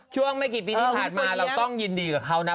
ช่วงมากี่ปีที่ผ่านมาต้องยินดีกับเขานะ